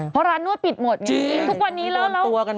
เพราะร้านนวดปิดหมดไงทุกวันนี้แล้ว